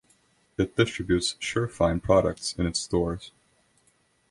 It distributes Shurfine products in its stores.